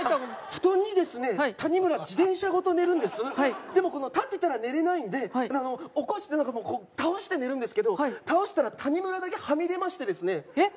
布団にですね谷村自転車ごと寝るんですでも立ってたら寝れないんで起こして何かもう倒して寝るんですけど倒したら谷村だけはみ出ましてですねえっ？